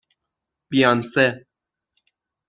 بیانسه